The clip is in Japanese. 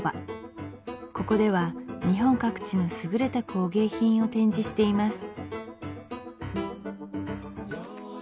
ここでは日本各地のすぐれた工芸品を展示しています